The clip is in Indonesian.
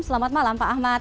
selamat malam pak ahmad